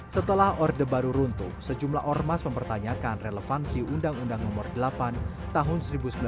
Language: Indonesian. setelah orde baru runtuh sejumlah ormas mempertanyakan relevansi undang undang nomor delapan tahun seribu sembilan ratus empat puluh